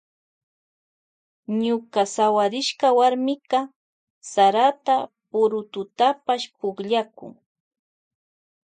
Ñuka sawarishka warmika pallakun sarata purututapash.